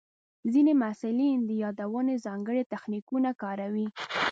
ځینې محصلین د یادونې ځانګړي تخنیکونه کاروي.